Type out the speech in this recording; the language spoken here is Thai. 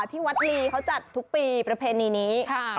ที่วัดลีเขาจัดทุกปีประเพณีนี้